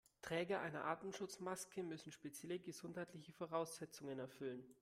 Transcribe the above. Träger einer Atemschutzmaske müssen spezielle gesundheitliche Voraussetzungen erfüllen.